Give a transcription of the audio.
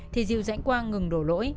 thì dìu dánh quang ngừng đổ lỗi